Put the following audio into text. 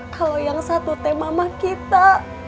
kalo yang satu teh mama kita